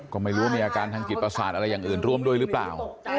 ก็ไม่รู้ว่ามีอาการทางจิตประสาทอะไรอย่างอื่นร่วมด้วยหรือเปล่า